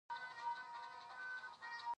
درناوی د انساني اړیکو ښه والي لامل کېږي.